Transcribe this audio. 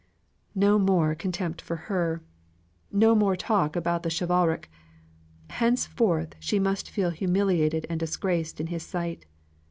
No more contempt for her! no more talk about the chivalric! Henceforward she must feel humiliated and disgraced in his sight.